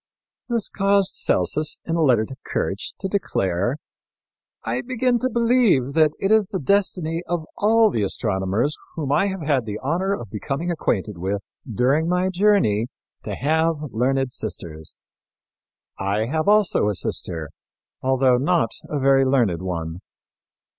This caused Celsus, in a letter to Kirch, to declare "I begin to believe that it is the destiny of all the astronomers whom I have had the honor of becoming acquainted with during my journey to have learned sisters. I have also a sister, although not a very learned one.